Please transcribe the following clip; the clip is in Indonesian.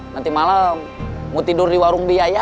nanti malam mau tidur di warung biaya